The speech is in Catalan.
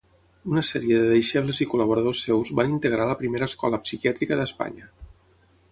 Una sèrie de deixebles i col·laboradors seus van integrar la primera escola psiquiàtrica d'Espanya.